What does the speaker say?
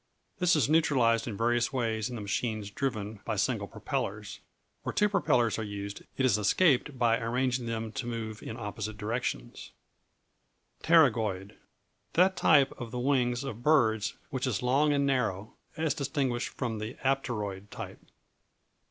This is neutralized in various ways in the machines driven by single propellers. Where two propellers are used it is escaped by arranging them to move in opposite directions. [Illustration: A pterygoid plane.] Pterygoid That type of the wings of birds which is long and narrow as distinguished from the apteroid type.